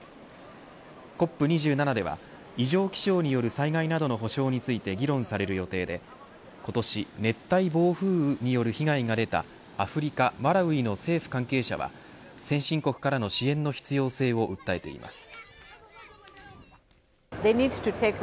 ＣＯＰ２７では異常気象による災害などの補償について議論される予定で今年、熱帯暴風雨による被害が出たアフリカ、マラウイの政府関係者は先進国からの支援の必要性を訴えています。